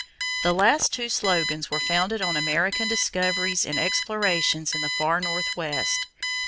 The last two slogans were founded on American discoveries and explorations in the Far Northwest.